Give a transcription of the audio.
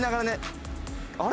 「あれ？」。